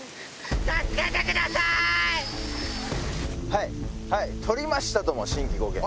はいはい取りましたとも新規５件。